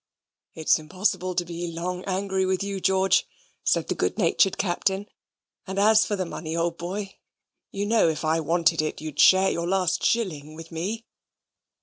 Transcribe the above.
"It is impossible to be long angry with you, George," said the good natured Captain; "and as for the money, old boy, you know if I wanted it you'd share your last shilling with me."